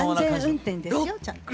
安全運転ですよちゃんと。